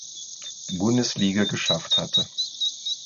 Bundesliga geschafft hatte.